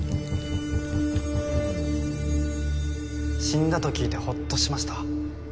死んだと聞いてホッとしました。